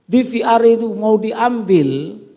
bvr itu mau diambil